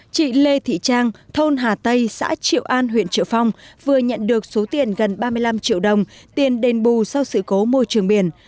chị lê thị trang thôn hà tây xã triệu an huyện triệu phong vừa nhận được số tiền gần ba mươi năm triệu đồng tiền đền bù sau sự cố môi trường biển